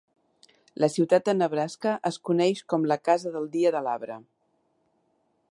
La ciutat de Nebraska es coneix com "la casa del dia de l'arbre".